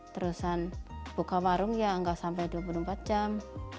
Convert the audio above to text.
terusan buka warung ya nggak sampai dua puluh empat jam